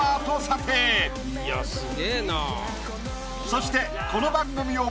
そしてこの番組を